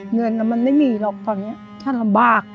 เงินมันไม่มีหรอกตอนนี้ฉันลำบาก